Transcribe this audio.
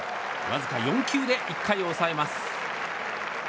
わずか４球で１回を抑えます。